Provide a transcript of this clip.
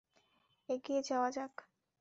এগিয়ে যাওয়া যাক।